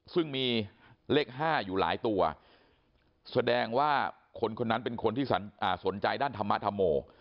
ซึ่งมีเลข๕อยู่หลายตัวแสดงว่าคนคนนั้นเป็นคนที่สนใจด้านธรรมธรรโม